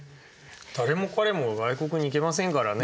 誰も彼もが外国に行けませんからね。